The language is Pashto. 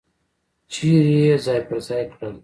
چیرې یې ځای پر ځای کړل.